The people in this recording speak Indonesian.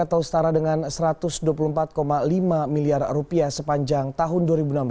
atau setara dengan rp satu ratus dua puluh empat lima miliar rupiah sepanjang tahun dua ribu enam belas